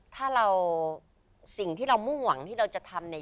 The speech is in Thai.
ถ้าเราสิ่งที่เรามุ่งหวังที่เราจะทำเนี่ย